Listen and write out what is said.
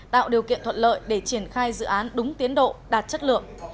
tạo điều kiện thuận lợi để triển khai dự án đúng tiến độ đạt chất lượng